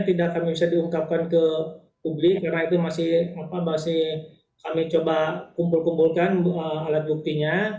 tidak kami bisa diungkapkan ke publik karena itu masih kami coba kumpul kumpulkan alat buktinya